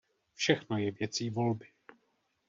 Všechno je věcí volby.